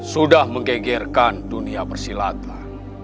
sudah menggegerkan dunia persilatan